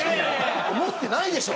思ってないでしょ